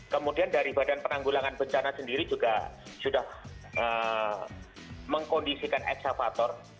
kemudian dari badan penanggulangan bencana sendiri juga sudah mengkondisikan eksavator